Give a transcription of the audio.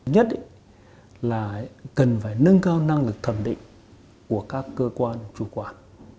nhất là cần phải nâng cao năng lực thẩm định của các cơ quan chủ quản